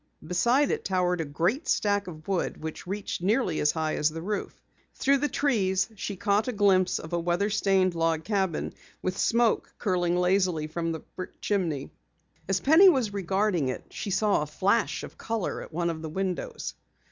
Beside it towered a great stack of wood which reached nearly as high as the roof. Through the trees she caught a glimpse of a weather stained log cabin with smoke curling lazily from the brick chimney. As Penny was regarding it, she saw a flash of color at one of the windows.